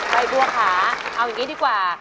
ใบบัวขาเอาอย่างนี้ดีกว่า